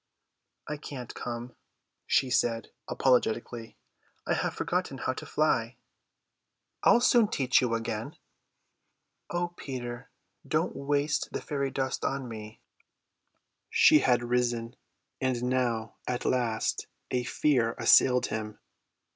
"I can't come," she said apologetically, "I have forgotten how to fly." "I'll soon teach you again." "O Peter, don't waste the fairy dust on me." She had risen; and now at last a fear assailed him.